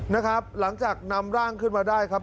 นะครับหลังจากนำร่างขึ้นมาได้ครับ